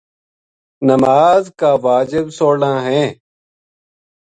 نماز کا واجب سولہ ہیں۔